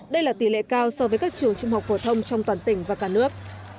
đây là tỷ lệ cao so với các trường trung học phổ thông trong toàn tỉnh và cả nước